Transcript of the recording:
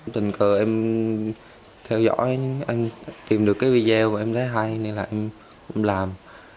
tình cờ em theo dõi em tìm được cái video và em thấy hay nên là em cũng làm